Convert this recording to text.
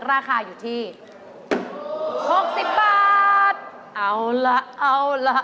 ราคาอยู่ที่๖๐บาท